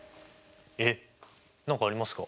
えっ何かありますか？